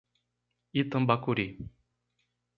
Itambacuri